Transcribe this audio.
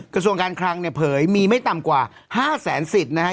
กระทรวงการคลังเนี่ยเผยมีไม่ต่ำกว่า๕แสนสิทธิ์นะฮะ